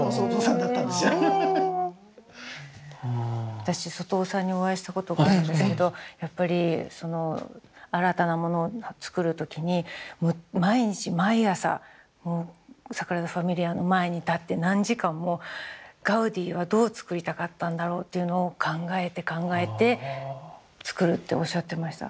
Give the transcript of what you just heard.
私外尾さんにお会いしたことがあるんですけどやっぱりその新たなものを造る時にもう毎日毎朝サグラダ・ファミリアの前に立って何時間もガウディはどう造りたかったんだろうっていうのを考えて考えて造るっておっしゃってました。